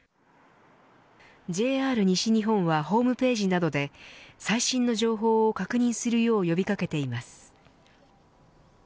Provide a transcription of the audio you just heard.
ＪＲ西日本はホームページなどで最新の情報を確認するよう呼び掛けています。